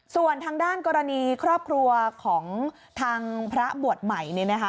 ส่วนทางด้านกรณีครอบครัวของทางพระบวชใหม่